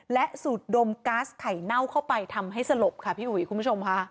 และสูดดมก๊าซไข่เน่าเข้าไปทำให้สลบค่ะพี่อุ๋ยคุณผู้ชมค่ะ